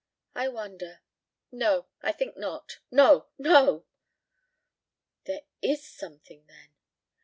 "I wonder! No, I think not! No! No!" "There is something then?"